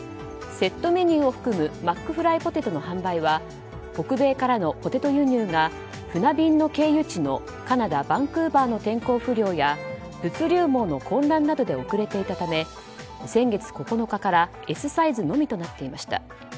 セットメニューを含むマックフライポテトの販売は北米からのポテト輸入が船便の経由地のカナダ・バンクーバーの天候不良や、物流網の混乱などで遅れていたため先月９日からＳサイズのみとなっていました。